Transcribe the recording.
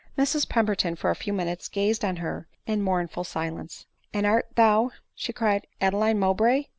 Mrs Pemberton for a few minutes gazed on her in mournful silence ; "And art thou," she cried, "Adeline Mowbray